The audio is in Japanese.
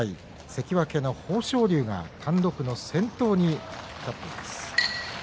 関脇の豊昇龍が単独の先頭に立っています。